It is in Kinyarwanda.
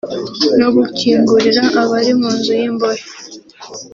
no gukingurira abari mu nzu y’ imbohe »